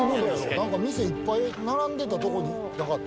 何か店いっぱい並んでたとこになかった？